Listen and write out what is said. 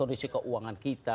kondisi keuangan kita